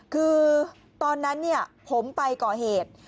คือตอนนั้นผมไปก่อเหตุ